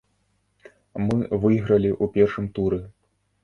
Мы выйгралі ў першым туры.